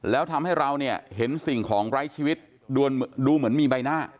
แล้วทำให้เราเนี่ยเห็นสิ่งของไร้ชีวิตดูเหมือนมีใบหน้า